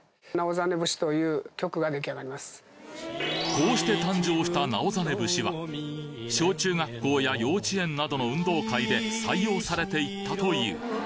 こうして誕生した直実節は小中学校や幼稚園などの運動会で採用されていったという